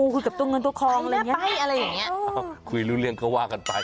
หมายถึงเขาเนี่ยเราเนี่ย